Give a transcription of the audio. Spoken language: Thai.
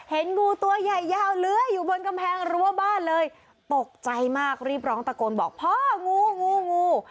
เห็นงูตัวใหญ่ยาวเลื้อยอยู่บนกำแพงรั้วบ้านเลยตกใจมากรีบร้องตะโกนบอกพ่องูงูงูงู